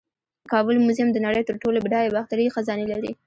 د کابل میوزیم د نړۍ تر ټولو بډایه باختري خزانې لري